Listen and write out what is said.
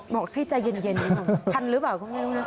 บอกที่ใจเย็นนี่ทันหรือเปล่าคุณแน่นุ่มนะ